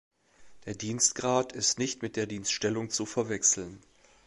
Der Dienstgrad ist nicht mit der Dienststellung zu verwechseln.